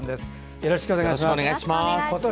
よろしくお願いします。